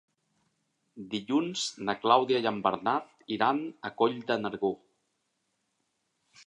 Dilluns na Clàudia i en Bernat iran a Coll de Nargó.